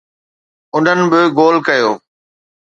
انهن به گول ڪيو.